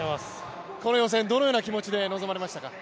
この予選どのような気持ちで臨まれましたか？